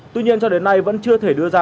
tuy nhiên cho đến nay vẫn chưa thể đưa ra